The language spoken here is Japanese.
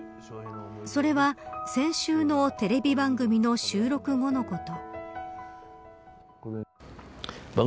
それは、先週のテレビ番組の収録後のこと。